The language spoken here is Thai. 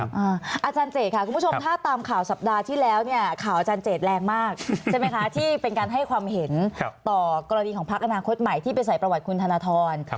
อาจารย์เจตค่ะคุณผู้ชมถ้าตามข่าวสัปดาห์ที่แล้วเนี่ยข่าวอาจารย์เจดแรงมากใช่ไหมคะที่เป็นการให้ความเห็นต่อกรณีของพักอนาคตใหม่ที่ไปใส่ประวัติคุณธนทร